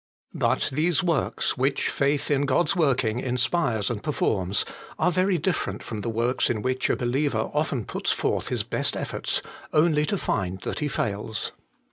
But these works, which faith in God's working inspires and performs, are very different from the works in which a believer often puts forth his best efforts, only to find that he fails.